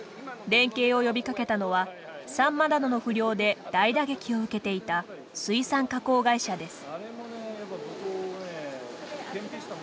連携を呼びかけたのはサンマなどの不漁で大打撃を受けていた水産加工会社です。